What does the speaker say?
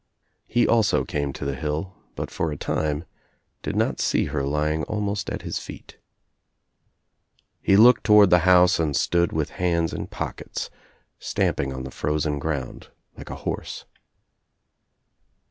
He also came to the hill but for a time did not see her lying almost at his feet. He looked toward the house and stood with hands In pockets, stamping on the frozen ground like a horse.